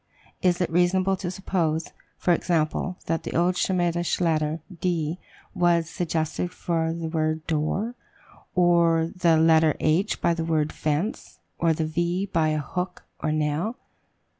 Is it reasonable to suppose, for example, that the old Shemitish letter D was suggested by the word door, or the letter H by the word fence, and the V by a hook or nail?